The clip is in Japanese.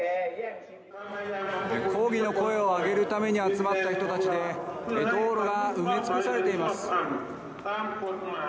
抗議の声を上げるために集まった人たちで道路が埋め尽くされています。